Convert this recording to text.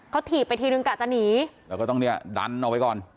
เขาถีบไปทีนึงกะจะหนีแล้วก็ต้องเนี่ยดันออกไปก่อน